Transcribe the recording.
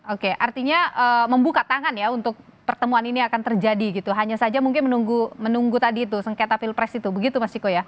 oke artinya membuka tangan ya untuk pertemuan ini akan terjadi gitu hanya saja mungkin menunggu tadi itu sengketa pilpres itu begitu mas ciko ya